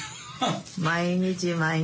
毎日毎日。